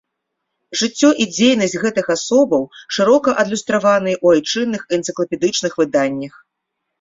Жыццё і дзейнасць гэтых асобаў шырока адлюстраваныя ў айчынных энцыклапедычных выданнях.